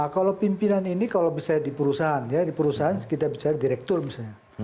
kalau pimpinan ini kalau misalnya di perusahaan ya di perusahaan kita bicara direktur misalnya